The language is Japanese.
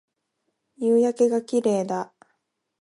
夕焼けが綺麗だ